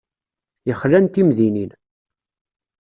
Yexlan timdinin.